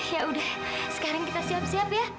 yaudah sekarang kita siap siap ya